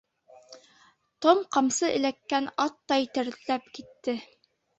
Том ҡамсы эләккән аттай тертләп китте.